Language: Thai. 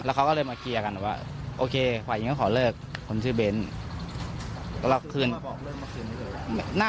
แล้วก็เลยมาเคลียร์กันแบบว่าโอเคฝ่ายิงก็ขอเลิกคนชื่อเบนส์